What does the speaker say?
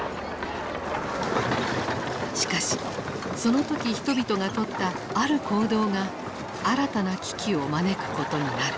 しかしその時人々が取ったある行動が新たな危機を招くことになる。